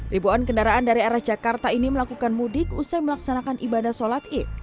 ribuan kendaraan dari arah jakarta ini melakukan mudik usai melaksanakan ibadah sholat id